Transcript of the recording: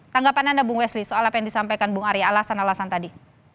tanggapan anda bung wesli soal apa yang disampaikan bung arya alasan alasan tadi